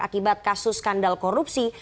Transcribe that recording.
akibat kasus skandal korupsi